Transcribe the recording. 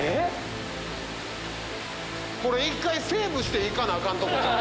これ１回セーブして行かなアカンとこ？